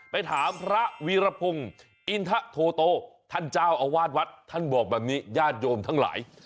ไปถามพระวีรพงศ์อินทะโทโตท่านเจ้าอาวาสวัดท่านบอกแบบนี้ญาติโยมทั้งหลาย